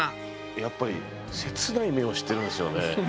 やっぱり切ない目をしてるんですよね。